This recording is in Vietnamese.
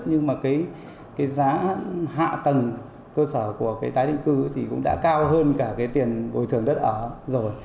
nhưng giá hạ tầng cơ sở của tái định cư cũng đã cao hơn cả tiền bồi thường đất ở rồi